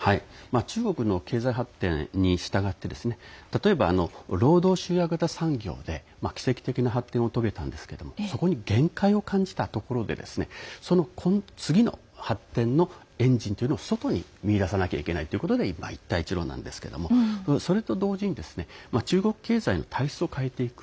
中国の経済発展にしたがって例えば労働集約型産業で奇跡的な発展を遂げたんですけどそこに限界を感じたところでその次の発展のエンジンというのを外に見出さなきゃいけないということで今、一帯一路なんですけどそれと同時に中国経済の体質を変えていく。